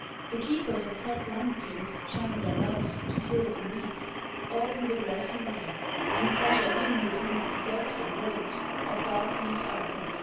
The keepers of fat lambkins chant their loves To silvan reeds, all in the grassy lea, And pleasure Him who tends the flocks and groves Of dark leaved Arcady.